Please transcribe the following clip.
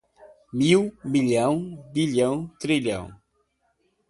mil, milhão, bilhão, trilhão.